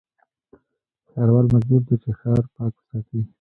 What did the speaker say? ښاروال مجبور دی چې، ښار پاک وساتي.